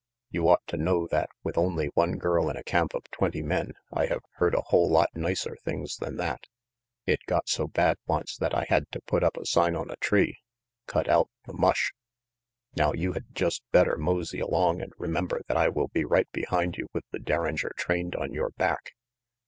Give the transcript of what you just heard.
You ought to know that with only one girl in a camp of twenty men I have heard a whole lot nicer things than that. It got so bad once that I had to put up a sign 114 RANGY FETE 1 1 on a tree 'Cut out the mush.' Now you had just better mosey along and remember that I will be right behind you with the derringer trained on your back."